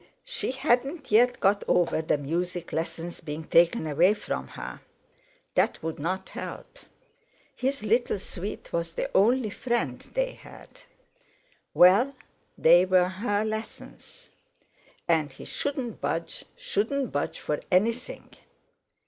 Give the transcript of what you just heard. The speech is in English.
She hadn't yet got over the music lessons being taken away from her. That wouldn't help. His little sweet was the only friend they had. Well, they were her lessons. And he shouldn't budge shouldn't budge for anything.